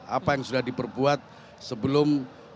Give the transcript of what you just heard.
apa yang sudah diperbuat sebelum